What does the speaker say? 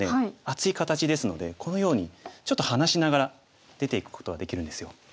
厚い形ですのでこのようにちょっと離しながら出ていくことができるんですよ。